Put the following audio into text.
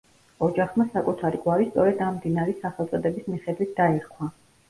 ოჯახმა საკუთარი გვარი სწორედ ამ მდინარის სახელწოდების მიხედვით დაირქვა.